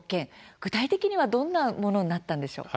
具体的にはどんなものになったんでしょうか。